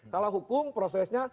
kalau hukum prosesnya